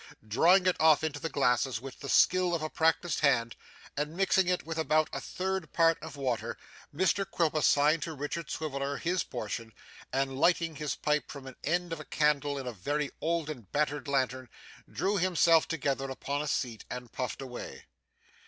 Drawing it off into the glasses with the skill of a practised hand, and mixing it with about a third part of water, Mr Quilp assigned to Richard Swiveller his portion, and lighting his pipe from an end of a candle in a very old and battered lantern, drew himself together upon a seat and puffed away.